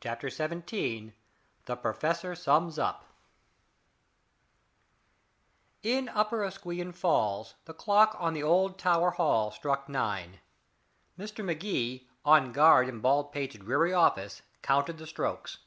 CHAPTER XVII THE PROFESSOR SUMS UP In Upper Asquewan Falls the clock on the old town hall struck nine. Mr. Magee, on guard in Baldpate's dreary office, counted the strokes.